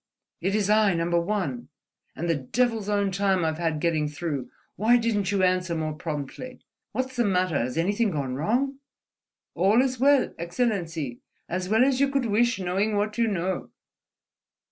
It is I, Number One. And the devil's own time I've had getting through. Why didn't you answer more promptly? What's the matter? Has anything gone wrong?" "All is well, Excellency, as well as you could wish, knowing what you know."